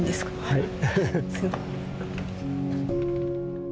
はい。